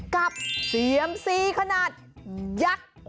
กับเซียมซีขนาดยักษ์